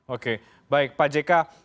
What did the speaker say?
oke baik pak jk